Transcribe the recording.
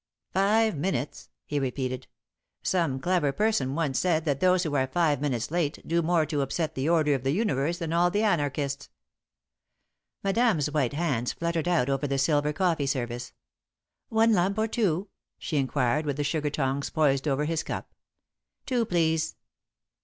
"Five minutes," he repeated. "Some clever person once said that those who are five minutes late do more to upset the order of the universe than all the anarchists." Madame's white hands fluttered out over the silver coffee service. "One lump or two?" she inquired, with the sugar tongs poised over his cup. "Two, please."